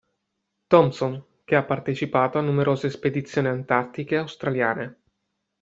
Thompson, che ha partecipato a numerose spedizioni antartiche australiane.